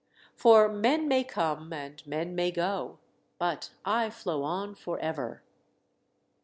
"For men may come, and men may go, But I flow on for ever."